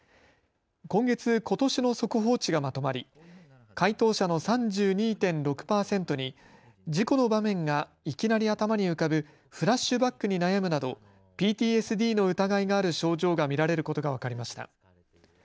今月ことしの速報値がまとまり回答者の３２．６％に事故の場面がいきなり頭に浮かぶフラッシュバックに悩むなどＰＴＳＤの疑いがある症状が見られることが分かりました。